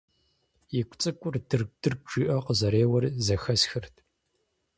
И гу цӀыкӀур «дыргу-дыргу» жиӀэу къызэреуэр зэхэсхырт.